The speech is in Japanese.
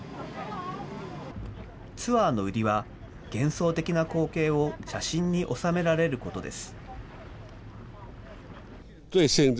ツアーの売りは、幻想的な光景を写真に収められることです。